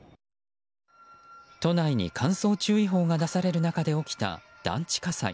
都内に乾燥注意報が出される中で起きた団地火災。